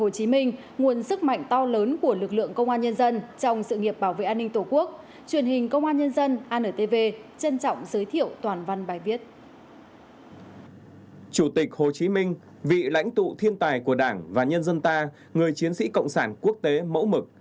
chủ tịch hồ chí minh vị lãnh tụ thiên tài của đảng và nhân dân ta người chiến sĩ cộng sản quốc tế mẫu mực